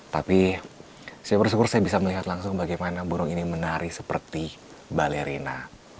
tapi saya bersyukur saya bisa melihat langsung bagaimana burung ini menari seperti balerina